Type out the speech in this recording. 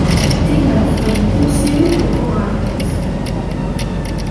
Dima beṭṭlen timsirin deg uɣerbaz.